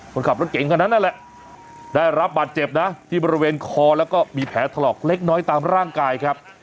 คนขับรถเก่งคนนั้นนั่นแหละได้รับบาดเจ็บนะที่บริเวณคอแล้วก็มีแผลถลอกเล็กน้อยตามร่างกายครับ